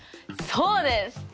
そうです！